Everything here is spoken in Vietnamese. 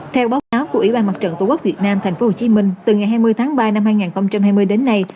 theo báo cáo của ủy ban mặt trận tổ quốc việt nam tp hcm từ ngày hai mươi tháng ba năm hai nghìn hai mươi đến nay